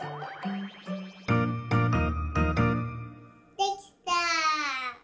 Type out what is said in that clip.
できた！